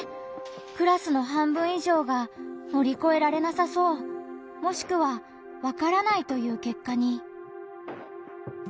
クラスの半分以上が「乗り越えられなさそう」もしくは「わからない」という結果に。